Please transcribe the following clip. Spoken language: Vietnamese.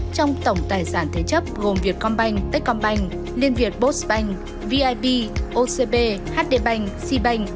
trong tổng tài sản thế chấp gồm việt combank tết combank liên việt postbank vip ocb hd bank c bank